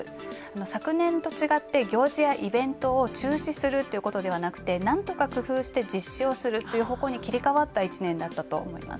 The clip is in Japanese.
昨年と違って、行事やイベントを中止するということではなくてなんとか工夫して実施をするという方向に切り替わった１年だったと思います。